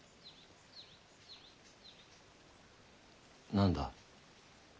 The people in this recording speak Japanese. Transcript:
何だ？